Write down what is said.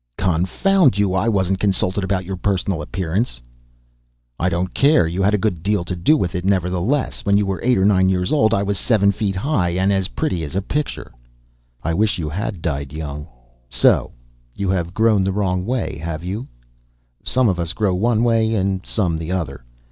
"Confound you, I wasn't consulted about your personal appearance." "I don't care, you had a good deal to do with it, nevertheless. When you were eight or nine years old, I was seven feet high, and as pretty as a picture." "I wish you had died young! So you have grown the wrong way, have you?" "Some of us grow one way and some the other.